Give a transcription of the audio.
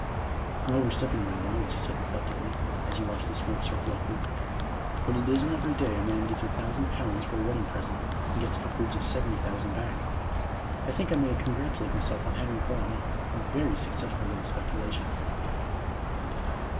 "I'm overstepping my allowance," he said reflectively, as he watched the smoke circle upward, "but it isn't every day a man gives a thousand pounds for a wedding present and gets upwards of seventy thousand back. I think I may congratulate myself on having brought off a very successful little speculation."